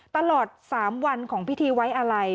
ตลอด๓วันของพิธีไว้อะไร